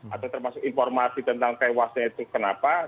atau termasuk informasi tentang tewasnya itu kenapa